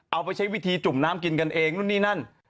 เอาไปใช้วิธีจุ่มน้ำกินกันเองนู่นนี่นั่น